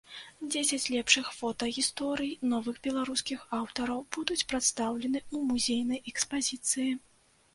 Дзесяць лепшых фотагісторый новых беларускіх аўтараў будуць прадстаўлены ў музейнай экспазіцыі.